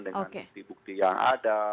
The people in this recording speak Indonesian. dengan bukti bukti yang ada